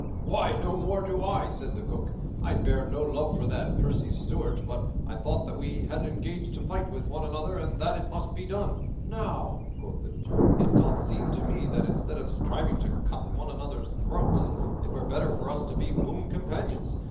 "Why, no more do I," said the Cook. "I bear no love for that pursy Steward, but I thought that we had engaged to fight with one another and that it must be done." "Now," quoth Little John, "it doth seem to me that instead of striving to cut one another's throats, it were better for us to be boon companions.